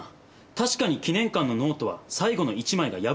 確かに記念館のノートは最後の一枚が破かれていたんです。